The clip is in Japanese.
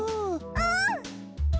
うん！